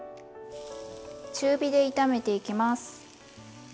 中火で炒めていきます。